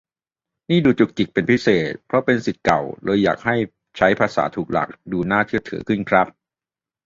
นี่ดูจุกจิกเป็นพิเศษ เพราะเป็นศิษย์เก่า เลยอยากให้ใช้ภาษาถูกหลัก ดูน่าเชื่อถือขึ้นครับ